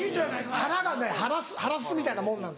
腹がねハラスみたいなもんなんですよ。